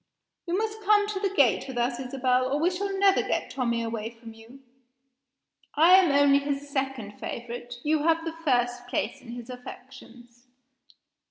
You must come to the gate with us, Isabel, or we shall never get Tommie away from you; I am only his second favorite; you have the first place in his affections.